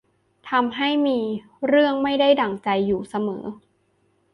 ทำให้มีเรื่องไม่ได้ดั่งใจอยู่เสมอ